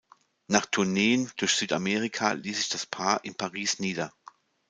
Nach Tourneen durch Südamerika liess sich das Paar in Paris nieder.